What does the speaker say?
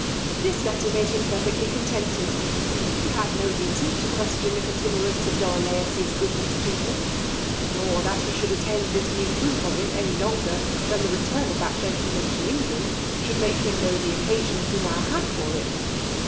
This letter made him perfectly contented; he had no reason to question the continuance of Dorilaus's goodness to him, nor that he should attend this new proof of it any longer than the return of that gentleman to England should make him know the occasion he now had for it.